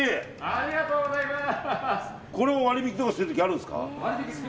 ありがとうございます！